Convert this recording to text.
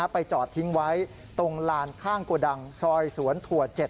ไปจอดทิ้งไว้ตรงลานข้างโกดังซอยสวนถั่ว๗